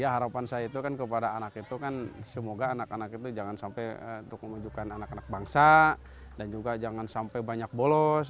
harapan saya itu kan kepada anak itu kan semoga anak anak itu jangan sampai untuk memujukan anak anak bangsa dan juga jangan sampai banyak bolos